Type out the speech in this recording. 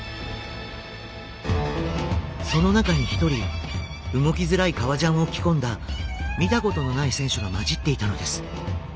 その中に一人動きづらい革ジャンを着込んだ見たことのない選手が交じっていたのです。